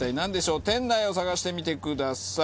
店内を探してみてください。